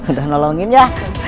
udah nolongin ya